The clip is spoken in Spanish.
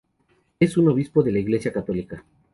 Es un obispo de la Iglesia católica.